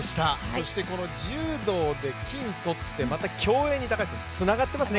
そして、柔道で金を取って、また競泳につながってますね。